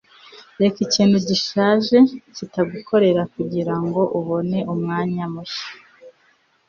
reka ikintu gishaje kitagukorera kugirango ubone umwanya mushya